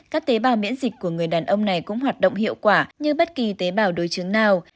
và miễn dịch của người đàn ông này cũng hoạt động hiệu quả như bất kỳ tế bào đối chứng nào